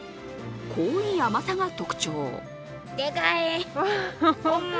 濃い甘さが特徴。